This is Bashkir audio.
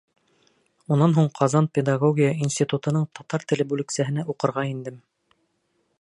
Унан һуң Ҡаҙан педагогия институтының татар теле бүлексәһенә уҡырға индем.